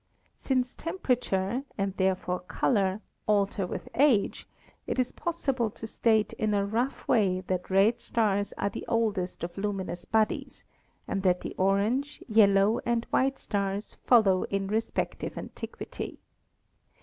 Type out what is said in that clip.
Since temperature, and therefore color, alter with age, it is possible to state in a rough way that red stars are the oldest of luminous bodies and that the orange, yellow and white stars follow in respective antiquity.